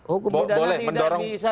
hukum bidana tidak bisa